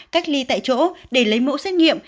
cách ly tại chỗ để lấy mẫu xét nghiệm